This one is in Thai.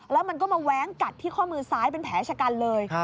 แล้วมันก็มาแว้งกัดที่ข้อมือซ้ายเป็นแผลชะกันเลย